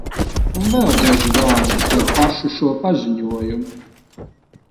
Un vēl daži vārdi par pašu šo paziņojumu.